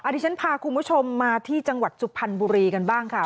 ที่ฉันพาคุณผู้ชมมาที่จังหวัดสุพรรณบุรีกันบ้างค่ะ